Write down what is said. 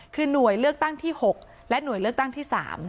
คือหน่วยเลือกตั้งที่๖และหน่วยเลือกตั้งที่๓